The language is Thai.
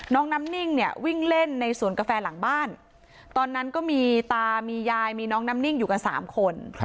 น้องน้ำนิ่งเนี่ยวิ่งเล่นในสวนกาแฟหลังบ้านตอนนั้นก็มีตามียายมีน้องน้ำนิ่งอยู่กัน๓คน